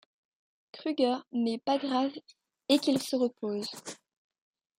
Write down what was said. Krüger n'est pas grave et qu'il se repose.